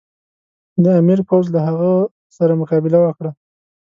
د امیر پوځ له هغه سره مقابله وکړه.